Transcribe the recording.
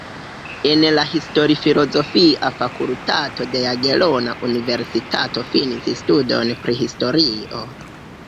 En la Histori-Filozofia Fakultato de Jagelona Universitato finis studojn pri historio.